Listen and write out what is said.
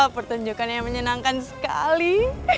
pertunjukannya menyenangkan sekali